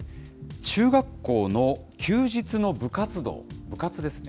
中学校の休日の部活動、部活ですね。